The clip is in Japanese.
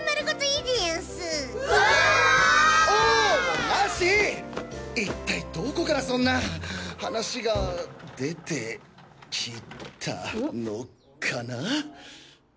いったいどこからそんな話が出てきたのかな？